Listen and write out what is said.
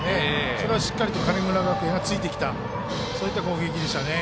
それをしっかりと神村学園がついてきたそういう攻撃でしたね。